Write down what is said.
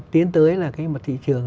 tiến tới là cái mặt thị trường